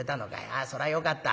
あそらよかった。